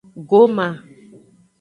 Goma.